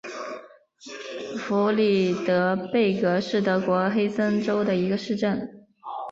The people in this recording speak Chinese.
弗里德贝格是德国黑森州的一个市镇。